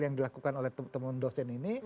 yang dilakukan oleh teman teman dosen ini